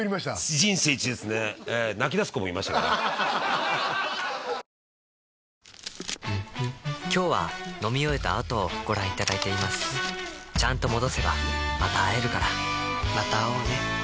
人生一ですね今日は飲み終えた後をご覧いただいていますちゃんと戻せばまた会えるからまた会おうね。